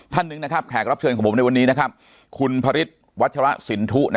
ท่านหนึ่งนะครับแขกรับเชื่อมีในวันนี้ขุนภริษวัชละสิณธุ